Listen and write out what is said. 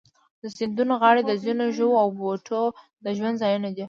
د سیندونو غاړې د ځینو ژوو او بوټو د ژوند ځایونه دي.